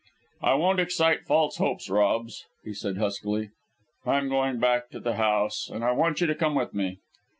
"I won't excite false hopes, Rob," he said huskily. "I am going back to the house, and I want you to come with me."